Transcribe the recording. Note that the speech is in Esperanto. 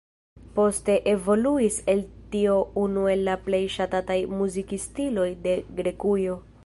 Poste evoluis el tio unu el la plej ŝatataj muzikstiloj de Grekujo.